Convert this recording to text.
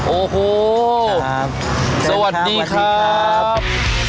โอ้โฮสวัสดีครับสวัสดีครับ